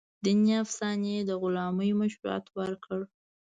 دیني افسانې د غلامۍ مشروعیت ورکړ.